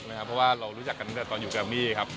เพราะว่าเรารู้จักกันตั้งแต่ตอนอยู่กับแรมมี่ครับ